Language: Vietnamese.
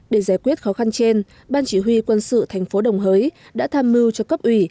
để giải quyết khó khăn trên ban chỉ huy quân sự thành phố đồng hới đã tham mưu cho cấp ủy